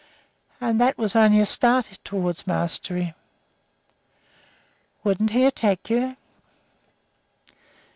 And that was only a start toward the mastery." "Wouldn't he attack you?"